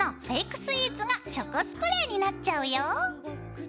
スイーツがチョコスプレーになっちゃうよ。